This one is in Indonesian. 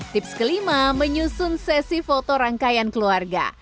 tips kelima menyusun sesi foto rangkaian keluarga